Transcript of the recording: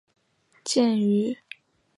建于明永乐年间。